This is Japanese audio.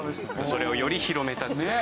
それをより広めたっていう事が。